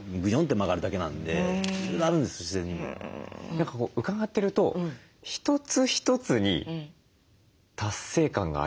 何か伺ってると一つ一つに達成感がありそう。